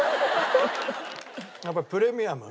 やっぱりプレミアム。